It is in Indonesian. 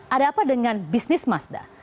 ada apa dengan bisnis mazda